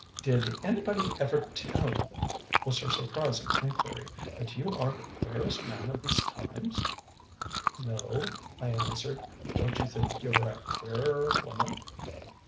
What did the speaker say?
"Did anybody ever tell you," was her surprising inquiry, "that you are the queerest man of these times?" "No," I answered. "Don't you think you're a queerer woman?"